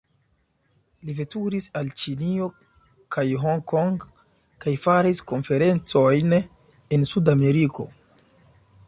Li veturis al Ĉinio kaj Hong Kong kaj faris konferencojn en Sud-Ameriko.